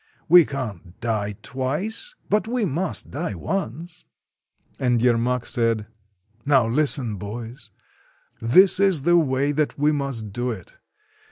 We can't die twice, but we must die once." And Yermak said :— "Now, listen, boys. This is the way that we must do it.